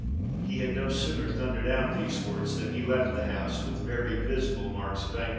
He had no sooner thundered out these words than he left the House, with very visible marks of anger.